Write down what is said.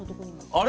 あれ？